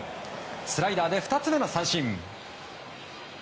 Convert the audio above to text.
スライダーで２つ目の三振。